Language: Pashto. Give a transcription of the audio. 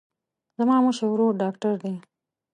زما مشر ورور ډاکتر دی.